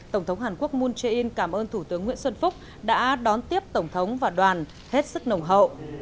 tổng thống hàn quốc moon jae in cảm ơn thủ tướng nguyễn xuân phúc đã đón tiếp tổng thống và đoàn hết sức nồng hậu